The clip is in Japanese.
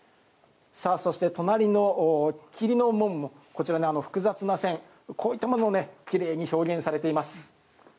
そして、隣の桐の紋もこちらに複雑な線こういったものもきれいに表現されています。